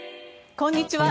こんにちは。